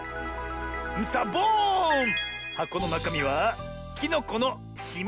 サボーン！はこのなかみはきのこの「しめじ」でした。